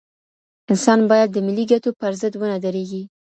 انسان بايد د ملي ګټو پر ضد ونه درېږي.